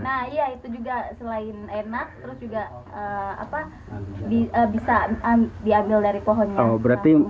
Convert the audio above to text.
nah iya itu juga selain enak terus juga bisa diambil dari pohonnya